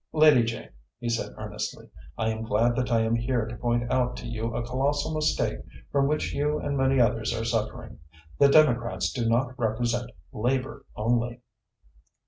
"Lady Jane," he said earnestly, "I am glad that I am here to point out to you a colossal mistake from which you and many others are suffering. The Democrats do not represent Labour only."